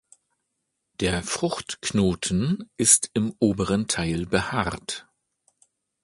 Der Fruchtknoten ist im oberen Teil behaart.